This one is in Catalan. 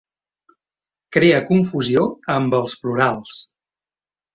Crea confusió amb els plurals.